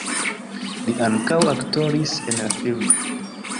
Li ankaŭ aktoris en la filmo.